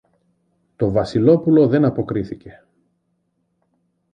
Το Βασιλόπουλο δεν αποκρίθηκε.